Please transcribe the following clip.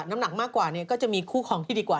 น้ำหนักมากกว่าก็จะมีคู่ของที่ดีกว่า